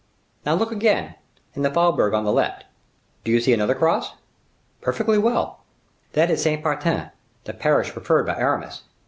Now look again—in the faubourg on the left, do you see another cross?" "Perfectly well." "That is Saint Patern, the parish preferred by Aramis."